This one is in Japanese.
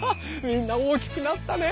みんな大きくなったね！